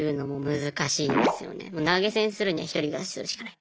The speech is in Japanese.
投げ銭するには１人暮らしするしかない。